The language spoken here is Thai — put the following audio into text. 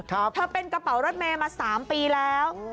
เธอเป็นกระเป๋ารถเมย์มาสามปีแล้ว